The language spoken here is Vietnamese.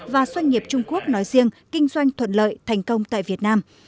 và doanh nghiệp trung quốc nói riêng kinh doanh thuận lợi thành công tại việt nam